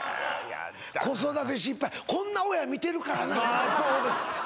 子育て失敗こんな親見てるからなまあそうです